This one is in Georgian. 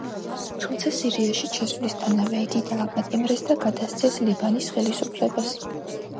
თუმცა სირიაში ჩასვლისთანავე იგი დააპატიმრეს და გადასცეს ლიბანის ხელისუფლებას.